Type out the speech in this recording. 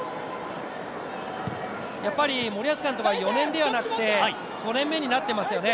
森保監督は４年ではなくて５年目になっていますよね。